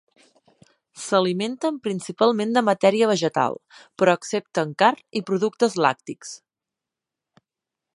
S'alimenten principalment de matèria vegetal però accepten carn i productes làctics.